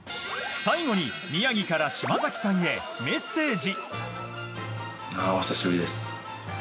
最後に、宮城から嶋崎さんへメッセージ。